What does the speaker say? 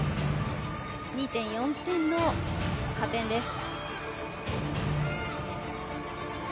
２．４点の加点です。